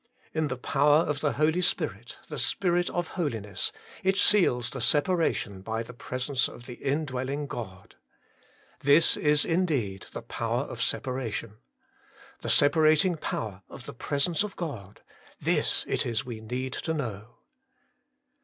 In the power of the Holy Spirit, the Spirit of Holiness, it seals the separation by the Presence of the Indwelling God. This is indeed the power of separation. The separat ing power of the Presence of God ; this it is we need to know.